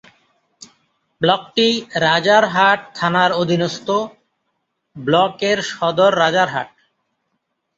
ব্লকটি রাজারহাট থানার অধীনস্থ।. ব্লকের সদর রাজারহাট।